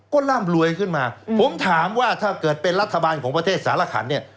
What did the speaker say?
ก็ร่ำรวยขึ้นมาผมถามว่าถ้าเกิดเป็นรัฐบาลของประเทศสารขันเนี่ย